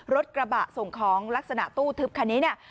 รถกระบะส่งของลักษณะตู้ทึบคันนี้เนี่ย